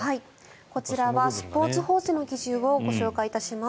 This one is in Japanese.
こちらはスポーツ報知の記事をご紹介いたします。